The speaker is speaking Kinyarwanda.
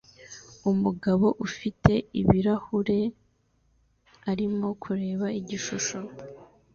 Umugabo ufite ibirahure arimo kureba igishusho